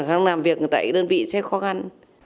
hoặc làm việc tại đơn vị sẽ khó khăn